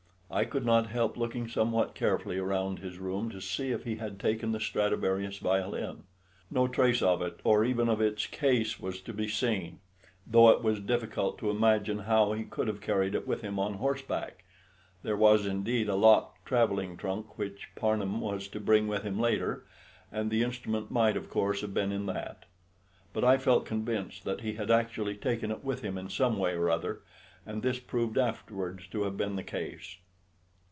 I could not help looking somewhat carefully round his room to see if he had taken the Stradivarius violin. No trace of it or even of its case was to be seen, though it was difficult to imagine how he could have carried it with him on horseback. There was, indeed, a locked travelling trunk which Parnham was to bring with him later, and the instrument might, of course, have been in that; but I felt convinced that he had actually taken it with him in some way or other, and this proved afterwards to have been the case.